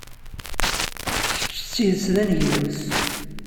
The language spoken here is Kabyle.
Kečč d tidet d aneglus!